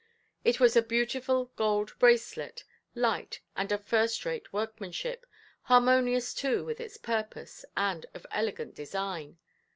It was a beautiful gold bracelet, light, and of first–rate workmanship, harmonious too with its purpose, and of elegant design.